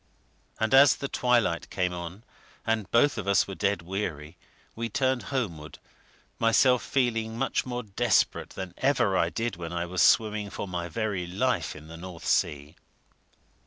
And as the twilight came on, and both of us were dead weary, we turned homeward, myself feeling much more desperate than even I did when I was swimming for my very life in the North Sea.